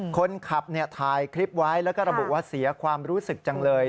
คนขับถ่ายคลิปไว้แล้วก็ระบุว่าเสียความรู้สึกจังเลย